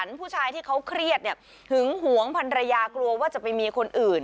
ผู้ชายที่เขาเครียดเนี่ยหึงหวงพันรยากลัวว่าจะไปมีคนอื่น